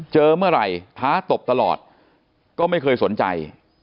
เจอเมื่อไหร่ท้าตบตลอดก็ไม่เคยสนใจ